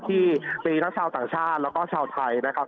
ที่มีทั้งชาวต่างชาติแล้วก็ชาวไทยนะครับ